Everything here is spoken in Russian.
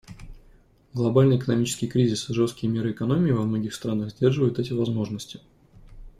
Глобальный экономический кризис и жесткие меры экономии во многих странах сдерживают эти возможности.